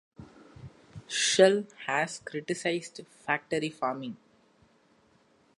Schell has criticized factory farming.